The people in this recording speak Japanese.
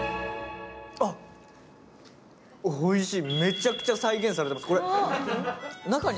あっ、おいしい。